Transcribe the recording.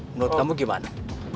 menurut kamu gimana